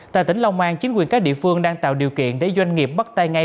tại tỉnh long an chính quyền các địa phương đang tạo điều kiện để doanh nghiệp bắt tay ngay